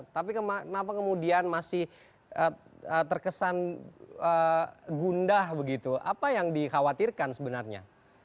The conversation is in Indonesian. tapi kenapa kemudian masih terkesan gundah begitu apa yang dikhawatirkan sebenarnya